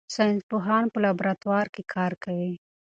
ساینس پوهان په لابراتوار کې کار کوي.